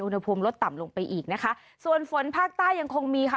อุณหภูมิลดต่ำลงไปอีกนะคะส่วนฝนภาคใต้ยังคงมีค่ะ